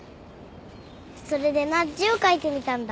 それでな字を書いてみたんだ。